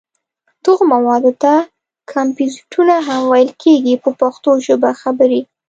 دغو موادو ته کمپوزېټونه هم ویل کېږي په پښتو ژبه خبرې.